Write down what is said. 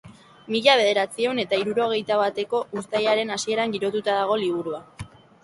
Mila bederatziehun eta hururogeita bateko uztailaren hasieran girotuta dago liburua.